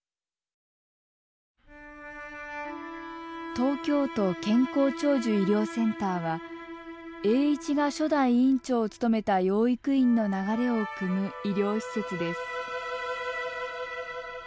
東京都健康長寿医療センターは栄一が初代院長を務めた養育院の流れをくむ医療施設です。